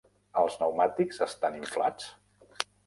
Els pneumàtics estan inflats?